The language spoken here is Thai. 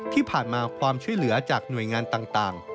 ที่ผ่านมาความช่วยเหลือจากหน่วยงานต่าง